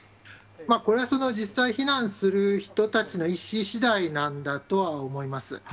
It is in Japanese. これはその実際避難する人たちの意思しだいなんだとは思います。